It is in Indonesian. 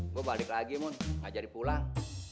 gue balik lagi mun gak jadi pulang